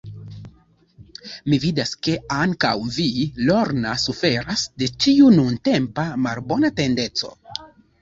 Mi vidas, ke ankaŭ vi, Lorna, suferas de tiu nuntempa, malbona tendenco.